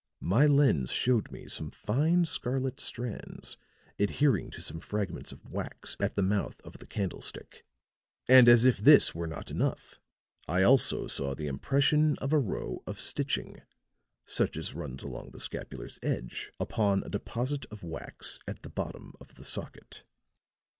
My lens showed me some fine scarlet strands adhering to some fragments of wax at the mouth of the candlestick; and as if this were not enough, I also saw the impression of a row of stitching, such as runs along the scapular's edge, upon a deposit of wax at the bottom of the socket."